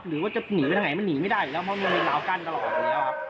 หรือว่าจะหนีไปทางไหนมันหนีไม่ได้อยู่แล้วเพราะมันมีราวกั้นตลอดอยู่แล้วครับ